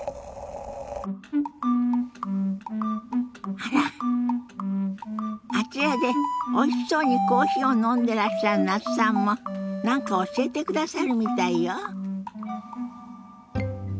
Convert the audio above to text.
あらあちらでおいしそうにコーヒーを飲んでらっしゃる那須さんも何か教えてくださるみたいよ。